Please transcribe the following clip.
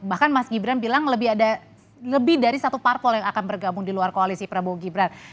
bahkan mas gibran bilang lebih dari satu parpol yang akan bergabung di luar koalisi prabowo gibran